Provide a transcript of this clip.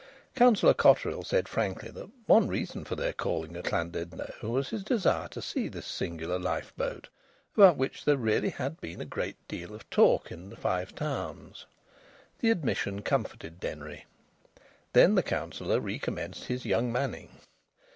Councillor Cotterill said frankly that one reason for their calling at Llandudno was his desire to see this singular lifeboat, about which there had really been a very great deal of talk in the Five Towns. The admission comforted Denry. Then the Councillor recommenced his young manning.